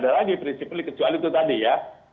tidak ada lagi prinsipnya kecuali itu tadi ya